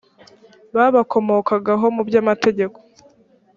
babakomokaho mu byo amategeko